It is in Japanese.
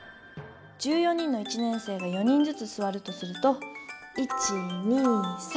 １４人の一年生が４人ずつすわるとすると１２３きゃく！